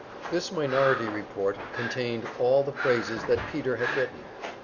This minority report contained all the phrases that Peter had written.